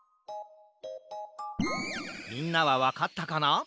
みんなはわかったかな？